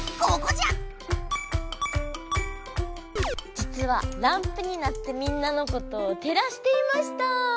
じつはランプになってみんなのことをてらしていました。